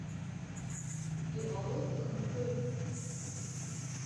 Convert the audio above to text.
Иҟалоит ихынҳәыр.